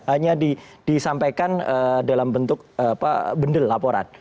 hanya disampaikan dalam bentuk bendel laporan